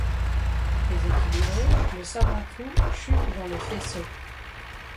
Déséquilibré, le savant fou chute dans le faisceau.